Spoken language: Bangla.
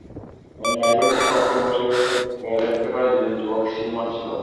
অন্য আরও একটি কক্ষে বসে বসে ব্যালট পেপারে দুজন যুবক সিল মারছিল।